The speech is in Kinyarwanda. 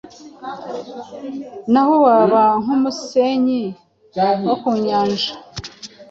naho waba nk’umusenyi wo ku nyanja,